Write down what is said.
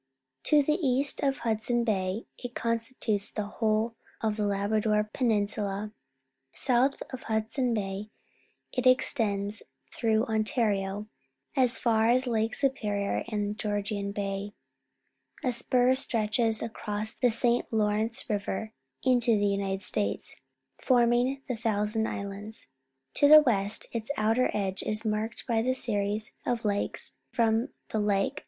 To the east of Hudson Bay it constitutes the whole of the Labrador Peninsula. South of Hudson Bay it extends through Ontario as far as Lake Superior and Georgian Bay. A spur stretch es across the St. Lawrence River into the L'nited States, forming the Thousand Islands. The Rainy Lake District, Ontario To the west, its outer edge is marked by the series of lakes from the LiakB.